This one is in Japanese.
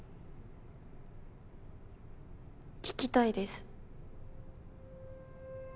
聞きたいです。